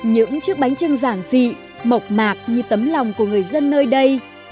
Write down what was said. những chiếc bánh trưng giản dị mộc mạc như tấm lòng của người dân nơi đây